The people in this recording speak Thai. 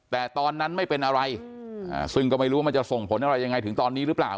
แต่ตอนนั้นไม่เป็นอะไรซึ่งก็ไม่รู้ว่ามันจะส่งผลอะไรยังไงถึงตอนนี้หรือเปล่า